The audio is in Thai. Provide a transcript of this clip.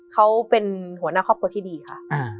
เขาเป็นหัวหน้าครอบครัวที่ดีค่ะ